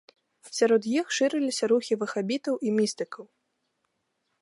Сярод іх шырыліся рухі вахабітаў і містыкаў.